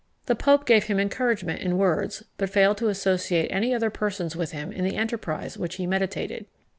The Pope gave him encouragement in words, but failed to associate any other persons with him in the enterprise which he meditated.